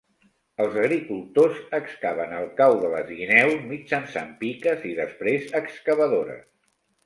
Els agricultors excaven el cau de les guineus mitjançant piques i després excavadores.